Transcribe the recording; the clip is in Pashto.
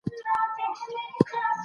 که فرد له ټولني جلا سي خطر پيدا کيږي.